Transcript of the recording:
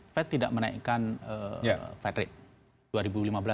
fat tidak menaikkan fat rate